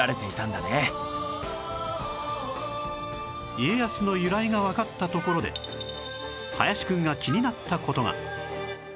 家康の由来がわかったところで林くんが気になった事が